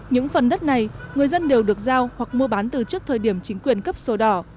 những phần đất này người dân đều được giao hoặc mua bán từ trước thời điểm chính quyền cấp sổ đỏ